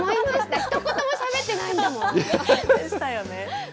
ひと言もしゃべってないだもでしたよね。